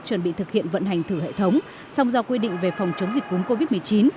chuẩn bị thực hiện vận hành thử hệ thống song do quy định về phòng chống dịch cúng covid một mươi chín